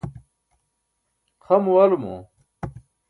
xa muwalumo